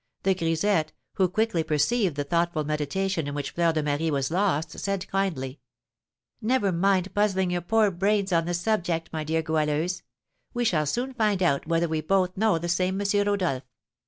The grisette, who quickly perceived the thoughtful meditation in which Fleur de Marie was lost, said, kindly: "Never mind puzzling your poor brains on the subject, my dear Goualeuse; we shall soon find out whether we both know the same M. Rodolph.